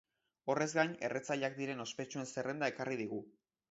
Horrez gain, erretzaileak diren ospetsuen zerrenda ekarri digu.